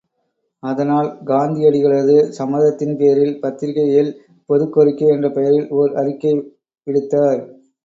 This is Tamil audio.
அதனால், காந்தியடிகளது சம்மதத்தின் பேரில் பத்திரிகையில் பொதுக் கோரிக்கை என்ற பெயரில் ஓர் அறிக்கை விடுத்தார்.